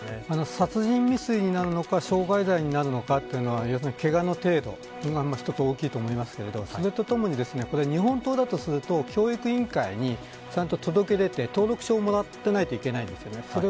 殺人未遂になるのか傷害罪になるのかはけがの程度が大きいと思いますがそれとともに日本刀だとすると教育委員会に届け出て登録証をもらっていないといけないんです。